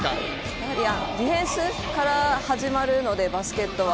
やはりディフェンスから始まるのでバスケットは。